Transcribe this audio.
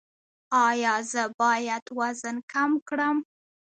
ایا زه باید وزن کم کړم؟